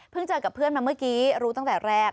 เจอกับเพื่อนมาเมื่อกี้รู้ตั้งแต่แรก